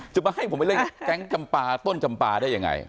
จะมาให้ผมไปเล่นแก๊งจำปาต้นจำปลาได้ยังไง